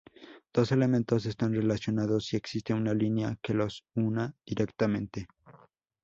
Dos elementos están relacionados si existe una línea que los una directamente.